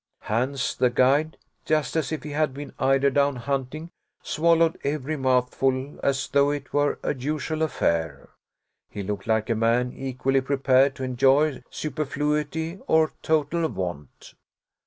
Hans, the guide, just as if he had been eider down hunting, swallowed every mouthful, as though it were a usual affair. He looked like a man equally prepared to enjoy superfluity or total want.